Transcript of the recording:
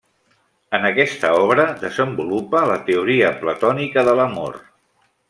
En aquesta obra desenvolupa la teoria platònica de l'amor.